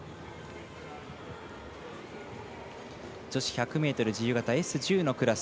女子１００ｍ自由形Ｓ１０のクラス。